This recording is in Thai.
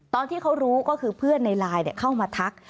ตอนที่เขารู้ก็คือเพื่อนในไลน์เข้ามาทัก